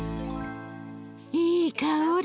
いい香り。